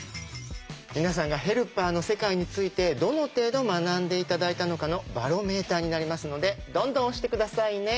皆さんがヘルパーの世界についてどの程度学んで頂いたのかのバロメーターになりますのでどんどん押して下さいね。